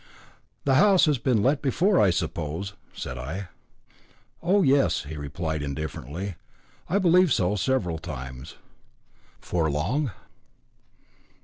"The house has been let before, I suppose?" said I. "Oh, yes," he replied indifferently, "I believe so, several times." "For long?"